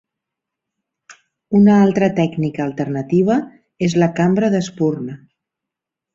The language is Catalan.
Una altra tècnica alternativa és la cambra d'espurna.